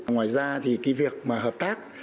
ngoài ra thì việc hợp tác